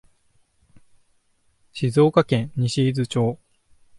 静岡県西伊豆町